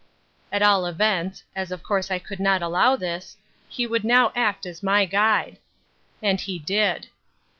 At all events (as of course I could not allow this) he would now act as my guide. And he did.